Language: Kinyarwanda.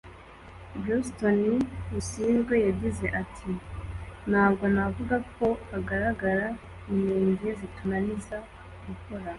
Johnston Busingye yagize ati “Ntabwo navuga ko hagaragara inenge zitunaniza gukora